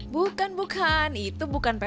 bukan bukan itu bukan pp